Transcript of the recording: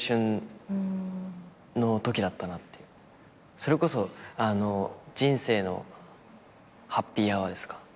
それこそ人生のハッピーアワーですか？